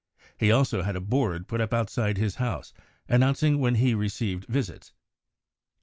He also had a board put up outside his house anouncing when he re ceived visits.